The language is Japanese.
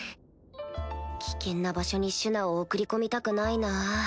危険な場所にシュナを送り込みたくないなぁ